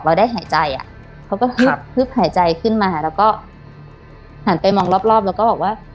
ได้หายใจอ่ะเขาก็ฮึบฮึบหายใจขึ้นมาแล้วก็หันไปมองรอบรอบแล้วก็บอกว่า